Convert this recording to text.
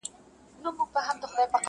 اوس په كلي كي چي هر څه دهقانان دي.!